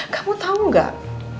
kamu tahu nggak